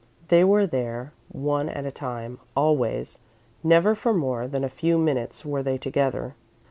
They were there one at a time, always; never for more than a few minutes were they together.